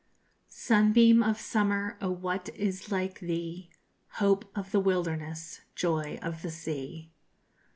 Sunbeam of summer, oh what is like thee, _Hope of the wilderness, joy of the sea.